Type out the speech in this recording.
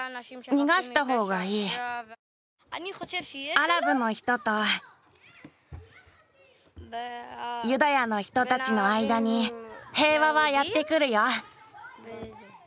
アラブの人とユダヤの人たちの間に平和はやってくるよ。